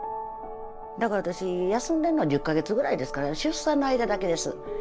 だから私休んでるのは１０か月ぐらいですから出産の間だけです。